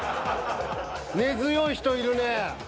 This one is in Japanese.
根強い人いるね。